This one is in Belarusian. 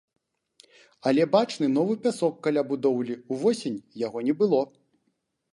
Але бачны новы пясок каля будоўлі, увосень яго не было.